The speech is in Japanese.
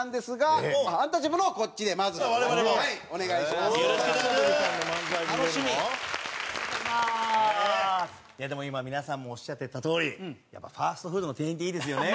いやでも今皆さんもおっしゃってたとおりやっぱファストフードの店員っていいですよね。